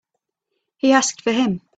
He asked for him.